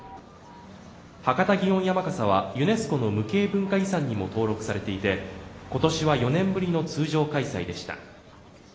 博多祇園山笠はユネスコの無形文化遺産にも登録されていて、今年は４年ぶりの通常開催でした。